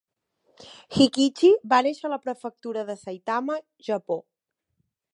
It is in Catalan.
Hikichi va néixer a la Prefectura de Saitama, Japó.